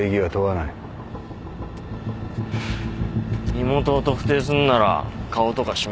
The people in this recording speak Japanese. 身元を特定すんなら顔とか指紋？